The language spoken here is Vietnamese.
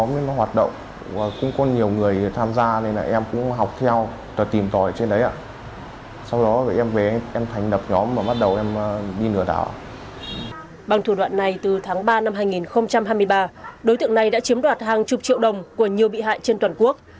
bằng thủ đoạn này từ tháng ba năm hai nghìn hai mươi ba đối tượng này đã chiếm đoạt hàng chục triệu đồng của nhiều bị hại trên toàn quốc